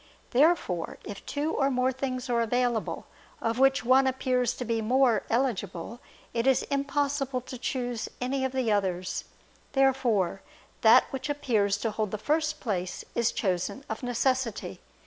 Therefore if two or more things are available, of which one appears to be more (eligible), it is impossible to choose any of the others. Therefore that which appears to hold the first place is chosen of necessity.